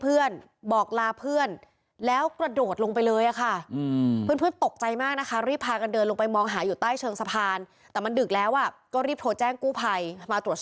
ลูกป้าก็จังตะตานมา